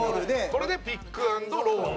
これで、ピック＆ロール。